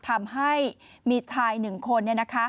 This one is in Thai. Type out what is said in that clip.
ทำให้มีชายหนึ่งคัน